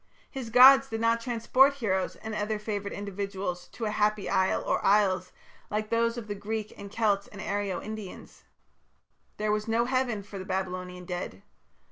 His gods did not transport heroes and other favoured individuals to a happy isle or isles like those of the Greeks and Celts and Aryo Indians. There was no Heaven for the Babylonian dead.